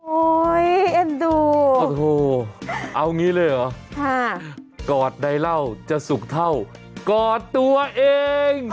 โอ้ยเอ็ดดูโอ้โธเอางี้เลยเหรอค่ะกอดได้เล่าจะสุขเท่ากอดตัวเอง